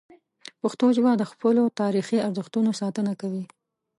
پښتو ژبه د خپلو تاریخي ارزښتونو ساتنه کوي.